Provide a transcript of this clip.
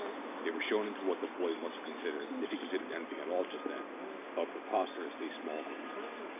They were shown into what the boy must have considered if he considered anything at all just then a preposterously small room.